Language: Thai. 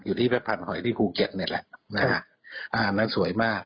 อยู่ที่พันธุ์หอยที่ภูเก็ตนี่แหละอันนั้นสวยมาก